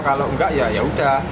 kalau nggak ya yaudah